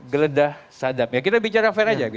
geledah sadap ya kita bicara fair aja